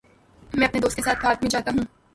میں اپنے دوست کے ساتھ پارک میں جاتا ہوں۔